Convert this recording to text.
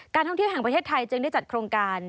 ท่องเที่ยวแห่งประเทศไทยจึงได้จัดโครงการ